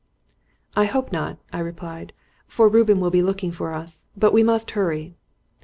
"I hope not," I replied, "for Reuben will be looking for us; but we must hurry."